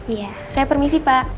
iya saya permisi pak